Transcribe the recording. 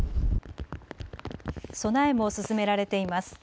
備えも進められています。